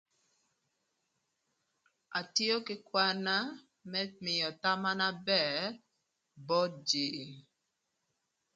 Atio kï kwan-na më mïö thama na bër both jïï.